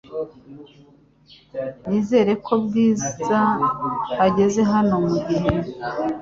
Nizere ko Bwiza ageze hano mugihe .